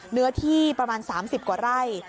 เนื้อที่ประมาณ๓๐กว่าไร่